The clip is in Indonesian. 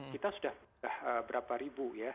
kita sudah berapa ribu ya